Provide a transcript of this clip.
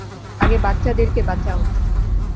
আগে বাচ্চাদেরকে বাঁচাও।